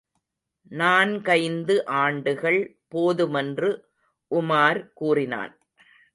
நான்கைந்து ஆண்டுகள் போதுமென்று உமார் கூறினான்.